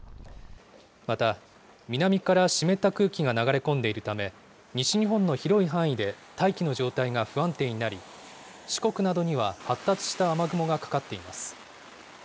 また、南から湿った空気が流れ込んでいるため、西日本の広い範囲で大気の状態が不安定になり、四国などには発達した雨雲がかかっています。